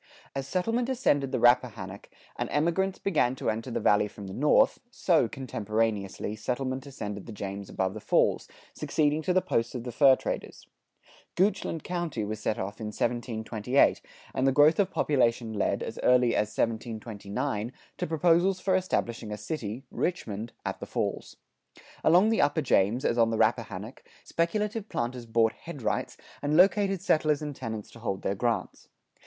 As settlement ascended the Rappahannock, and emigrants began to enter the Valley from the north, so, contemporaneously, settlement ascended the James above the falls, succeeding to the posts of the fur traders.[93:2] Goochland County was set off in 1728, and the growth of population led, as early as 1729, to proposals for establishing a city (Richmond) at the falls. Along the upper James, as on the Rappahannock, speculative planters bought headrights and located settlers and tenants to hold their grants.